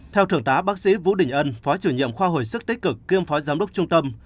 theo thượng tá bác sĩ vũ đình ân phó chủ nhiệm khoa hồi sức tích cực kiêm phó giám đốc trung tâm